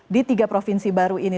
di tiga provinsi baru ini